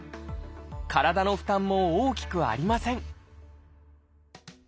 体の負担も大きくありません